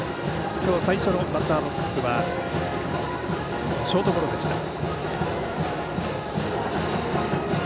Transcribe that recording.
今日最初のバッターボックスはショートゴロでした。